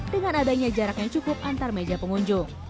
dengan adanya jarak yang cukup antar meja pengunjung